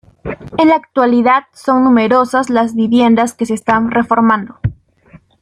En la actualidad son numerosas las viviendas que se están reformando.